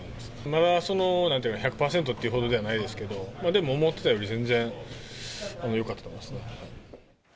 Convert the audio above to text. まだ１００％というほどではないですけど、でも思ってたより全然よかったと思いますね。